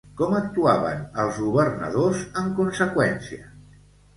Com actuaven els governadors en conseqüència?